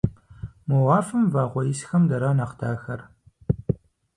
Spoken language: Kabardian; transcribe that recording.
Мо уафэм вагъуэ исхэм дара нэхъ дахэр?